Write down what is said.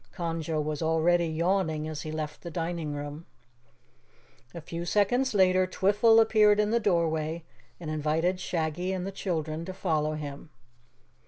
Conjo was already yawning as he left the dining room. A few seconds later Twiffle appeared in the doorway and invited Shaggy and the children to follow him.